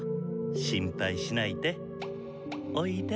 心配しないでおいで。